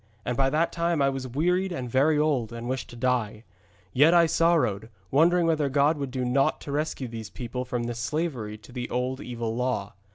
And by that time I was wearied and very old, and wished to die. Yet I sorrowed, wondering whether God would do naught to rescue these people from this slavery to the old evil law.